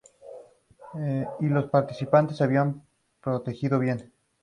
La manteca de yak es utilizada en el curtido tradicional de pieles.